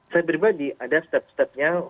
saya pribadi ada step stepnya